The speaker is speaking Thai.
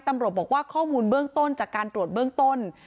ตำรวจบอกว่าข้อมูลเบื้องต้นจากการตรวจเบื้องต้น